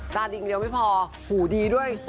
ตาดีอย่างเดียวไม่พอหูดีด้วย